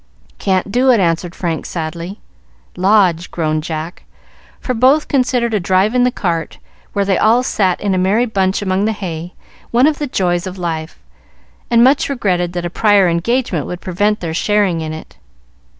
"Can't do it," answered Frank, sadly. "Lodge," groaned Jack, for both considered a drive in the cart, where they all sat in a merry bunch among the hay, one of the joys of life, and much regretted that a prior engagement would prevent their sharing in it.